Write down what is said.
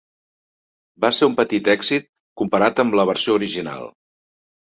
Va ser un petit èxit comparat amb la versió original.